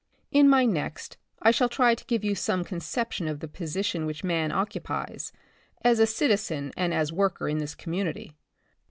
In my next I shall try to give you some con ception of the position which man occupies, as a citizen and as worker in this community.